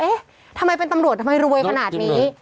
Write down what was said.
เอ๊ะทำไมเป็นตำรวจทำไมรวยขนาดนี้